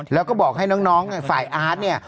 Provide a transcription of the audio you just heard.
แล้วก็บอกให้น้องฝ่ายอาร์ตเนี่ย